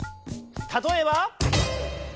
たとえば。